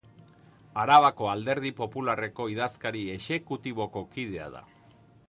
Arabako Alderdi Popularreko idazkari exekutiboko kidea da.